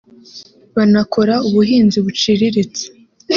banakora ubuhinzi buciriritse